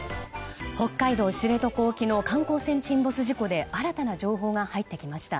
北海道知床沖の観光船沈没事故で新たな情報が入ってきました。